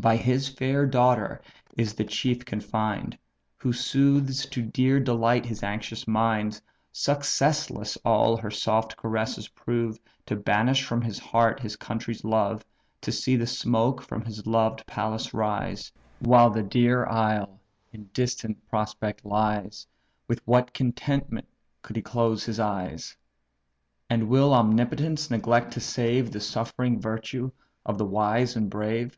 By his fair daughter is the chief confined, Who soothes to dear delight his anxious mind; Successless all her soft caresses prove, To banish from his breast his country's love; To see the smoke from his loved palace rise, While the dear isle in distant prospect lies, With what contentment could he close his eyes! And will Omnipotence neglect to save The suffering virtue of the wise and brave?